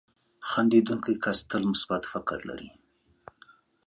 • خندېدونکی کس تل مثبت فکر لري.